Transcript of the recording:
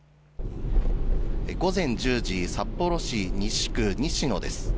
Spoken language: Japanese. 午前１０時札幌市西区西野です。